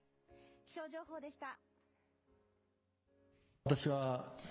気象情報でした。